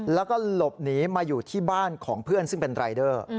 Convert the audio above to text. แล้วก็หลบหนีมาอยู่ที่บ้านของเพื่อนซึ่งเป็นรายเดอร์